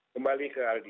kembali ke aldi